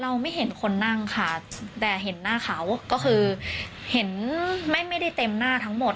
ไม่เห็นคนนั่งค่ะแต่เห็นหน้าเขาก็คือเห็นไม่ไม่ได้เต็มหน้าทั้งหมด